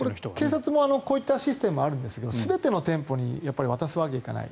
警察もこういったシステムがあるんですが全ての店舗に渡すわけにはいかない。